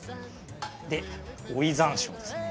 で追い山椒ですね。